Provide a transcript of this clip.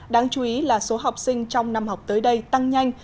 đáng chú ý là số học sinh trong năm học tới đây tăng nhanh